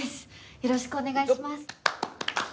よろしくお願いします。